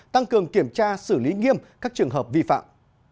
tăng cường kiểm tra xử lý nghiêm các trường hợp vi phạm